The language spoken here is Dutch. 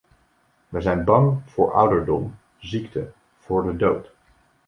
Wij zijn bang voor ouderdom, ziekte, voor de dood.